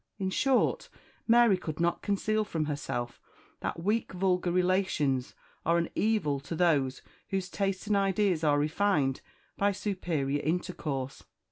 In short, Mary could not conceal from herself that weak vulgar relations are an evil to those whose taste and ideas are refined by superior intercourse.